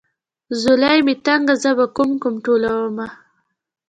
ځولۍ مې تنګه زه به کوم کوم ټولومه.